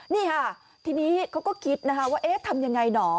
นี่ค่ะทีนี้เขาก็คิดนะคะว่าเอ๊ะทำยังไงหนอ